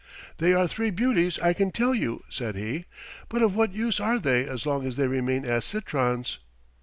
"They are three beauties, I can tell you," said he, "but of what use are they as long as they remain as citrons?"